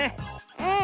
うん。